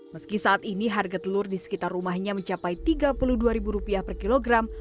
meski saat ini harga telur di sekitar rumahnya mencapai rp tiga puluh dua per kilogram